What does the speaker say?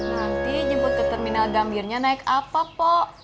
nanti nyebut ke terminal gambir nya naik apa pok